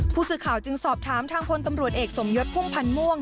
ผู้สื่อข่าวจึงสอบถามทางพลตำรวจเอกสมยศพุ่มพันธ์ม่วง